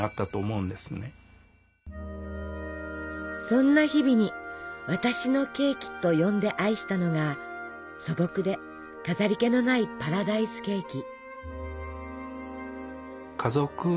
そんな日々に「私のケーキ」と呼んで愛したのが素朴で飾り気のないパラダイスケーキ。